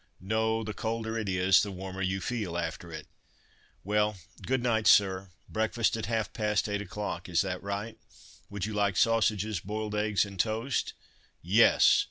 "No—the colder it is, the warmer you feel after it." "Well, good night, sir! Breakfast at half past eight o'clock. Is that right? Would you like sausages, boiled eggs and toast?" "Yes!